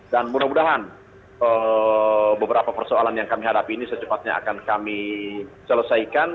dan mudah mudahan beberapa persoalan yang kami hadapi ini secepatnya akan kami selesaikan